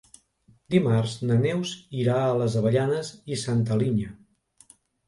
Dimarts na Neus irà a les Avellanes i Santa Linya.